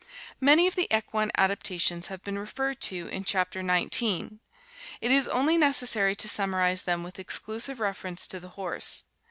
— Many of the equine adaptations have been referred to in Chapter XIX ; it is only necessary to summarize them with exclusive reference to the horse.